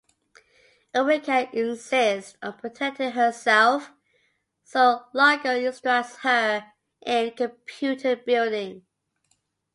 Erika insists on protecting herself, so Largo instructs her in computer-building.